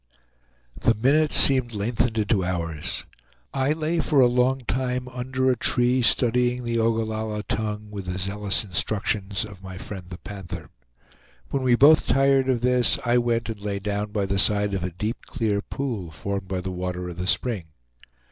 The minutes seemed lengthened into hours. I lay for a long time under a tree, studying the Ogallalla tongue, with the zealous instructions of my friend the Panther. When we were both tired of this I went and lay down by the side of a deep, clear pool formed by the water of the spring.